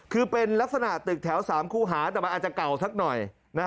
คือเป็นลักษณะตึกแถว๓คู่หาแต่มันอาจจะเก่าสักหน่อย